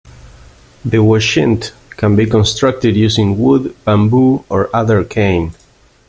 The "washint" can be constructed using wood, bamboo, or other cane.